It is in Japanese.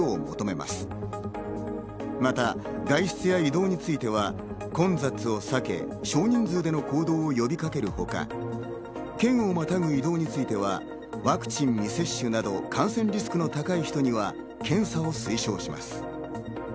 また外出や移動については混雑を避け、少人数の行動を呼びかけるほか、県をまたぐ移動についてはワクチン未接種など感染リスクの高い人には検査を推奨します。